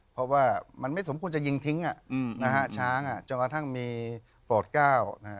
เพราะว่ามันไม่สมควรจะยิงทิ้งช้างจนกระทั่งมีโปรดก้าว